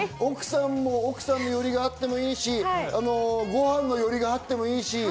奥さんのよりがあってもいいし、ご飯の寄りがあってもいいし。